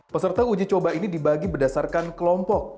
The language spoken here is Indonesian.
peserta uji coba ini dibagi berdasarkan kelompok